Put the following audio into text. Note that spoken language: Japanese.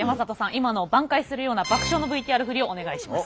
今のを挽回するような爆笑のＶＴＲ振りをお願いします。